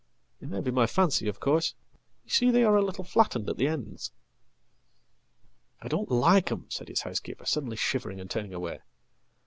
It may be my fancy, ofcourse. You see they are a little flattened at the ends.""I don't like 'em," said his housekeeper, suddenly shivering and turningaway.